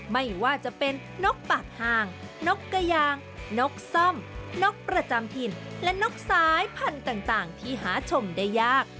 ไม่ว่าจะเป็นนกปากห้างนกกระยางนกซ่อมนกประจำถิ่นและนกสายพันธุ์ต่างที่หาชมได้ยาก